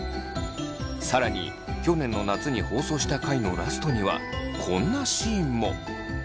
更に去年の夏に放送した回のラストにはこんなシーンも！